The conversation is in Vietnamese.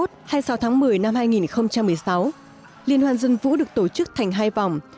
hai mươi sáu tháng một mươi năm hai nghìn một mươi sáu liên hoan dân vũ được tổ chức thành hai vòng